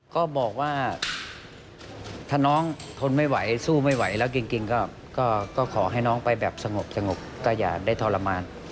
ก็บอกว่าถ้าน้องทนไม่ไหวสู้ไม่ไหวแล้วจริงก็ขอให้น้องไปแบบสงบก็อย่าได้ทรมาน